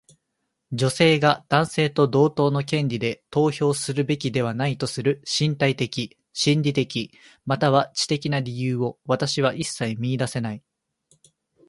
女性が男性と同等の権利で投票するべきではないとする身体的、心理的、または知的な理由を私は一切見いだせない。